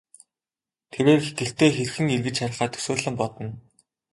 Тэрээр гэртээ хэрхэн эргэж харихаа төсөөлөн бодно.